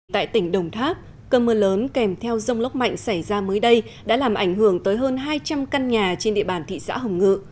tại tỉnh đồng tháp cơn mưa lớn kèm theo rông lốc mạnh xảy ra mới đây đã làm ảnh hưởng tới hơn hai trăm linh căn nhà trên địa bàn thị xã hồng ngự